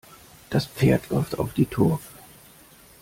Das Pferd läuft auf die Turf.